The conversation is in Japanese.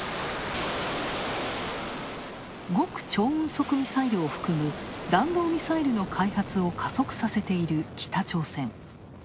極超音速ミサイルを含む弾道ミサイルの加速させている北朝鮮。